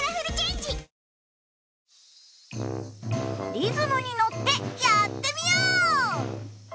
リズムにのってやってみよう！